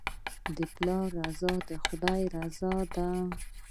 د پلار رضا د خدای رضا ده.